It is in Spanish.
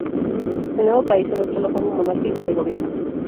El nuevo país adoptó la forma monárquica de gobierno.